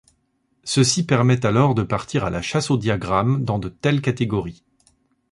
Ceci permet alors de partir à la chasse au diagramme dans de telles catégories.